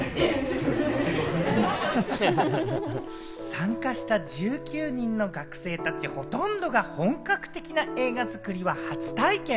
参加した１９人の学生たち、ほとんどが本格的な映画作りは初体験。